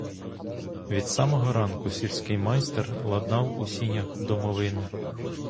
Від самого ранку сільський майстер ладнав у сінях домовину.